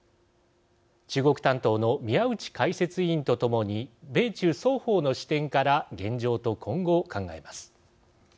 中国担当の宮内解説委員と共に米中双方の視点から現状と今後を考えます。